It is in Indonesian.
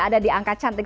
jadi itu juga cukup baik